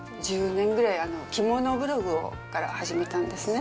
１０年ぐらい、着物ブログから始めたんですね。